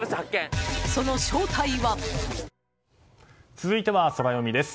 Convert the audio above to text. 続いてはソラよみです。